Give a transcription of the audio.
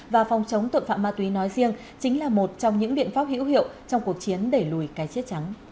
và phòng chống tội phạm ma túy nói riêng chính là một trong những biện pháp hữu hiệu trong cuộc chiến đẩy lùi cái chết trắng